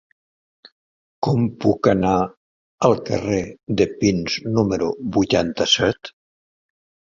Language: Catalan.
Com puc anar al carrer de Pins número vuitanta-set?